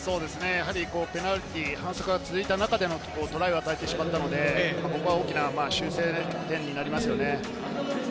やはりペナルティーが続いた中でトライを与えてしまったので、ここは大きな修正点になりますよね。